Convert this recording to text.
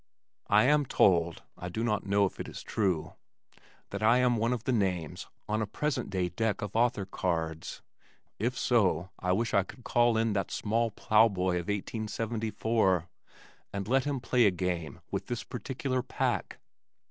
I am told I do not know that it is true that I am one of the names on a present day deck of Author cards. If so, I wish I could call in that small plow boy of 1874 and let him play a game with this particular pack!